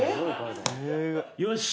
よし！